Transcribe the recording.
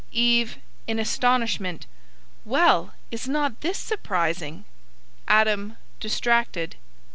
EVE (in astonishment). Well, is not this surprising? ADAM (distracted).